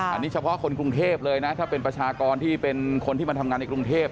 อันนี้เฉพาะคนกรุงเทพเลยนะถ้าเป็นประชากรที่เป็นคนที่มาทำงานในกรุงเทพ